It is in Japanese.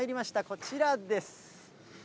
こちらです。